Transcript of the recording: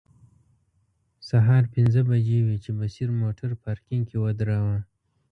سهار پنځه بجې وې چې بصیر موټر پارکینګ کې و دراوه.